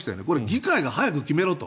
議会が早く決めろと。